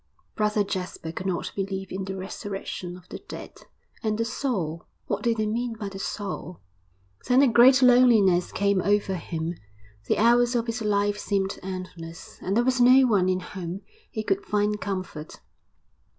Brother Jasper could not believe in the resurrection of the dead. And the soul what did they mean by the soul? IV Then a great loneliness came over him; the hours of his life seemed endless, and there was no one in whom he could find comfort.